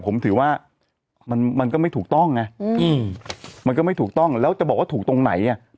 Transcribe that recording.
ผมถือว่ามันมันก็ไม่ถูกต้องไงมันก็ไม่ถูกต้องแล้วจะบอกว่าถูกตรงไหนอ่ะ